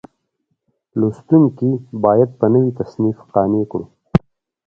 لوستونکي په نوي تصنیف قانع کړو.